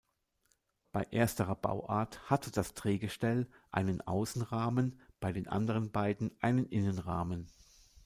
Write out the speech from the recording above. Bei ersterer Bauart hatte das Drehgestell einen Außenrahmen, bei den anderen beiden einen Innenrahmen.